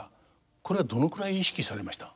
これはどのくらい意識されました？